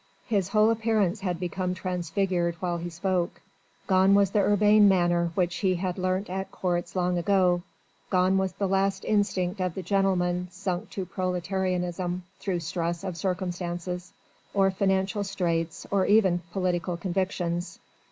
His whole appearance had become transfigured while he spoke. Gone was the urbane manner which he had learnt at courts long ago, gone was the last instinct of the gentleman sunk to proletarianism through stress of circumstances, or financial straits or even political convictions.